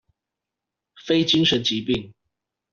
非精神疾病